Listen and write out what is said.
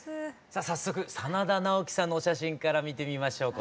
さあ早速真田ナオキさんのお写真から見てみましょう。